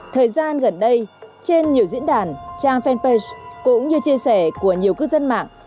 thời gian gần đây trên nhiều diễn đàn trang fanpage cũng như chia sẻ của nhiều cư dân mạng